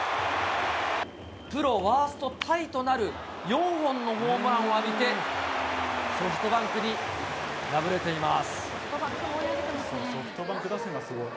プロワーストタイとなる４本のホームランを浴びて、ソフトバンク打線がすごい。